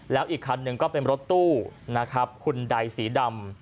แล้วอีกคันหนึ่งก็เป็นรถตู้ขุนใดสีดำ